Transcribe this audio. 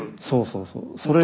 そうそうそう。